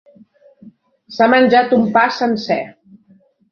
S'ha menjat un pa sencer.